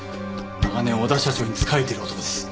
長年小田社長に仕えている男です。